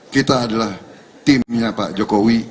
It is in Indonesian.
kita adalah timnya pak jokowi